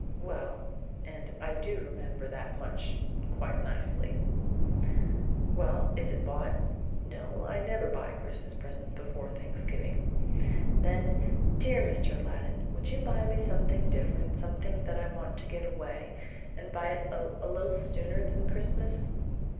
"Well," and "I do remember that much quite nicely." "Well, is it bought?" "No, I never buy Christmas presents before Thanksgiving." "Then, DEAR Mr. Aladdin, would you buy me something different, something that I want to give away, and buy it a little sooner than Christmas?"